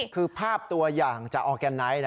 คือภาพตัวอย่างจากออร์แกนไนท์